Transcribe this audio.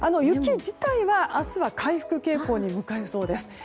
雪自体は明日は回復傾向に向かいそうです。